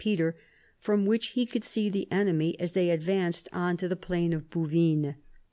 Peter, from which he could see the enemy as they advanced on to the plain of Bouvines.